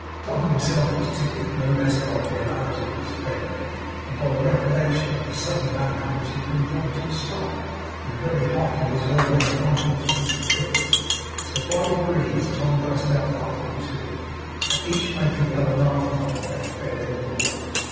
Tom himself was tickled; no less by the hilarity of his friend than by the recollection of the sudden manner in which he had been brought to a stop, in the very height of his urbane conference with Mr Fips; so by degrees Tom burst out laughing too; and each making the other laugh more, they fairly roared.